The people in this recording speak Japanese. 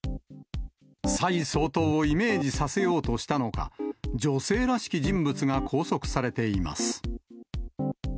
蔡総統をイメージさせようとしたのか、女性らしき人物が拘束されています。